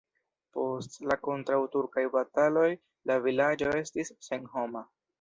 Post la kontraŭturkaj bataloj la vilaĝo estis senhoma.